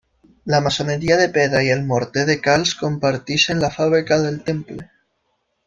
La maçoneria de pedra i el morter de calç comparteixen la fàbrica del temple.